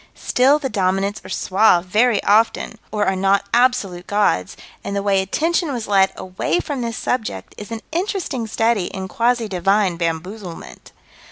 Still the Dominants are suave very often, or are not absolute gods, and the way attention was led away from this subject is an interesting study in quasi divine bamboozlement.